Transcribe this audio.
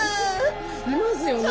いますよね。